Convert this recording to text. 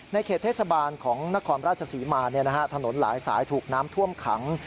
เขตเทศบาลของนครราชศรีมาถนนหลายสายถูกน้ำท่วมขัง